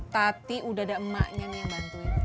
tati udah ada emaknya nih yang bantuin